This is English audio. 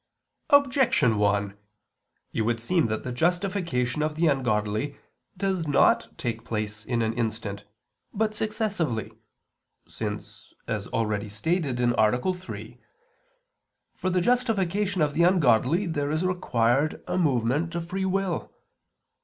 Objection 1: It would seem that the justification of the ungodly does not take place in an instant, but successively, since, as already stated (A. 3), for the justification of the ungodly, there is required a movement of free will.